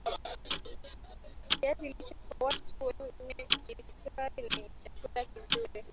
viazi lishe kwa watu wenye kisukari ni chakula kizuri